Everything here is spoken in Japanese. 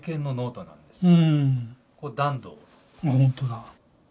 あっほんとだ。